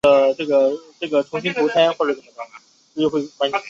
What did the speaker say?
球迷称呼其为孖润肠尼马。